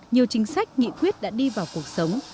nhiều chính sách nghị quyết đã đi vào cuộc sống